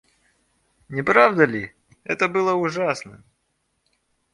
Не правда ли, это было ужасно?